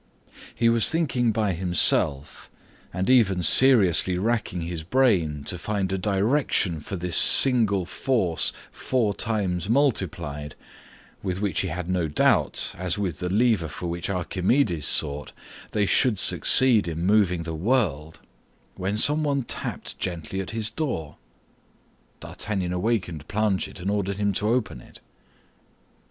He was thinking by himself, and even seriously racking his brain to find a direction for this single force four times multiplied, with which he did not doubt, as with the lever for which Archimedes sought, they should succeed in moving the world, when someone tapped gently at his door. D'Artagnan awakened Planchet and ordered him to open it.